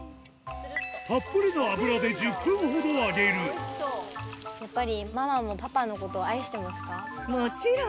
たっぷりの油で１０分ほど揚やっぱりママもパパのこと愛もちろん。